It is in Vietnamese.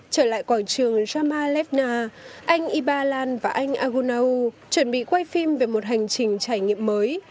trở lại quảng trường jamalevna anh ibalan và anh agunau chuẩn bị quay phim về một hành trình trải nghiệm mới